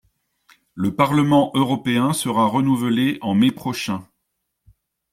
Le parlement européen sera renouvelé en mai prochain.